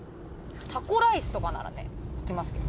タコライスとかなら聞きますけど。